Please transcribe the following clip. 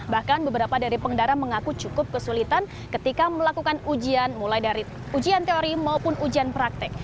bahkan beberapa dari pengendara mengaku cukup kesulitan ketika melakukan ujian mulai dari ujian teori maupun ujian praktek